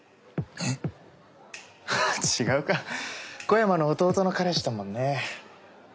ふふっ違うか小山の弟の彼氏だもんね